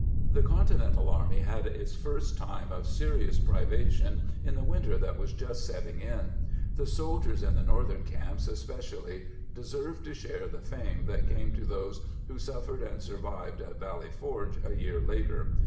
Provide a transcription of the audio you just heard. ^ The Continental army had its first time of se rious privation in the winter that was just setting in; the soldiers in the northern camps especially deserve to share the fame that came to those who suffered and survived at Valley Forge a year later.